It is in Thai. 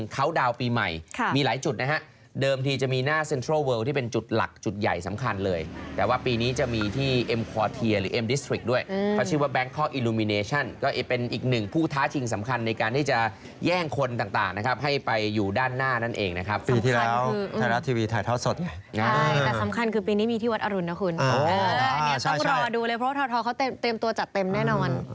ก็เป็นอีกหนึ่งผู้ท้าชิงสำคัญในการที่จะแย่งคนต่างให้ไปอยู่ด้านหน้านั่นเองนะครับปีที่แล้วไทยรัฐทีวีถ่ายเท้าสดไงใช่แต่สำคัญคือปีนี้มีที่วัดอรุณนะคุณต้องรอดูเลยเพราะท้อเขาเตรียมตัวจัดเต็มแน่นอน